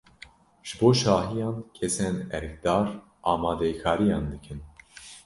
Ji bo şahiyan kesên erkdar amadekariyan dikin.